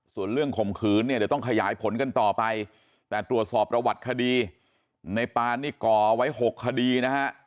ส่วนเรื่องข่มขืนเนี่ยเดี๋ยวต้องขยายผลกันต่อไปแต่ตรวจสอบประวัติคดีในปานนี่ก่อไว้๖คดีนะฮะ